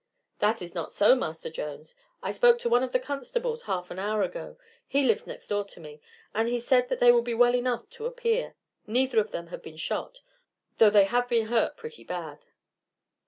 "That is not so, Master Jones. I spoke to one of the constables half an hour ago he lives next door to me and he said that they would be well enough to appear. Neither of them have been shot, though they have been hurt pretty bad."